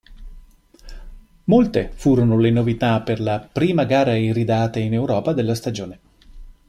Molte furono le novità per la prima gara iridata in Europa della stagione.